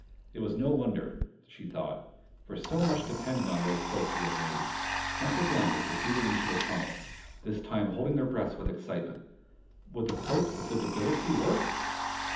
It was no wonder, she thought, for so much depended on those cloaks he had made. Once again they proceeded into the tunnel, this time holding their breaths with excitement. Would the Cloaks of Visibility work?